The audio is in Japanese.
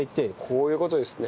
こういう事ですね。